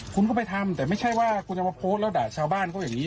คุณก็ไปทำแต่ไม่ใช่ว่าคุณจะมาโพสต์แล้วด่าชาวบ้านเขาอย่างนี้